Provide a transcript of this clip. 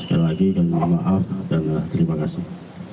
sekali lagi kami mohon maaf dan terima kasih